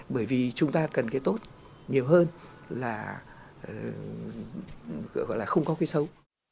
bởi vì chúng ta cần cái tốt nhiều hơn là gọi là không có cái xấu